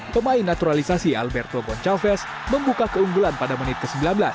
pemain naturalisasi alberto goncalves membuka keunggulan pada menit ke sembilan belas